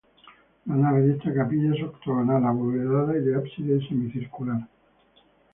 La nave de esta capilla es octogonal, abovedada y de ábside semicircular.